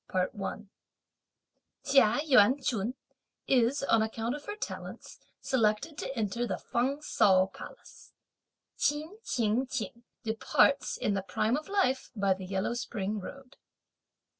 Chia Yuan ch'un is, on account of her talents, selected to enter the Feng Ts'ao Palace. Ch'in Ching ch'ing departs, in the prime of life, by the yellow spring road.